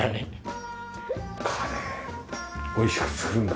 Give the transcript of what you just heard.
カレー美味しく作るんだ？